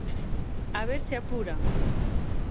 ¡A ver se apuran!